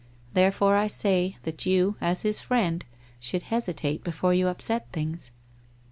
Therefore I say, that you, as his friend, should hesitate before you upset things.'